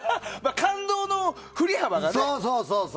感動のふり幅がね。